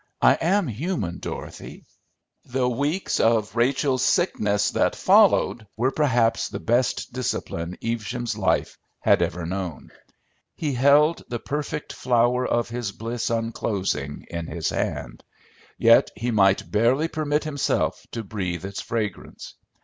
"I am human, Dorothy." The weeks of Rachel's sickness that followed were perhaps the best discipline Evesham's life had ever known. He held the perfect flower of his bliss unclosing in his hand; yet he might barely permit himself to breathe its fragrance.